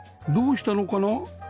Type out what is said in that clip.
どうしたのかな？